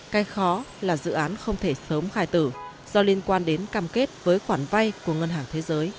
cái khó là dự án không thể sớm khai tử do liên quan đến cam kết với quản vay của ngt